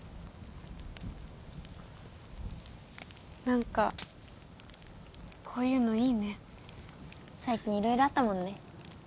何かこういうのいいね最近色々あったもんね